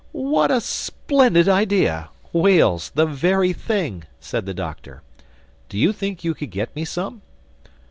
"What a splendid idea!—Whales, the very thing!" said the Doctor. "Do you think you could get me some?"